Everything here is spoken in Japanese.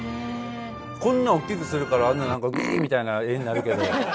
こんなおっきくするからあんなギーみたいな絵になるけど。